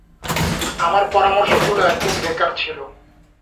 আমার পরামর্শগুলো একদম বেকার ছিল।